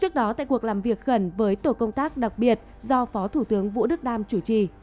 trước đó tại cuộc làm việc khẩn với tổ công tác đặc biệt do phó thủ tướng vũ đức đam chủ trì